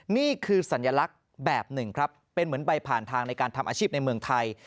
นี่คือสัญลักษณ์แบบหนึ่งครับเป็นเหมือนใบผ่านทางในการทำอาชีพในเมืองไทย